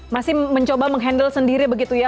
masih mencoba menghandle sendiri begitu ya